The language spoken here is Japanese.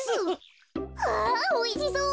わおいしそう。